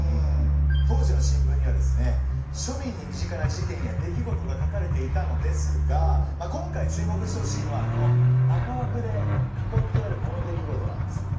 当時の新聞にはですね庶民に身近な事件や出来事が書かれていたのですがまあ今回注目してほしいのはこの赤枠で囲ってあるこの出来事なんですよ。